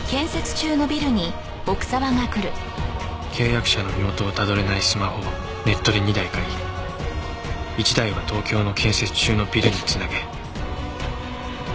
契約者の身元をたどれないスマホをネットで２台買い１台は東京の建設中のビルに繋げ。